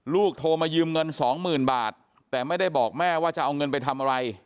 โทรมายืมเงินสองหมื่นบาทแต่ไม่ได้บอกแม่ว่าจะเอาเงินไปทำอะไร